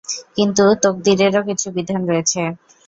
কিন্তু তকদীরেরও কিছু বিধান রয়েছে।